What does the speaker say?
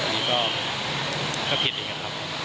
อันนี้ก็คือผิดอีกนะครับ